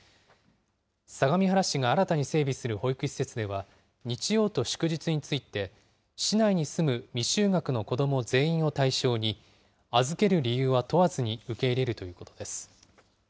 相模原市が新たに整備する保育施設では、日曜と祝日について、市内に住む未就学の子ども全員を対象に、預ける理由は問わずに受け入れるということです。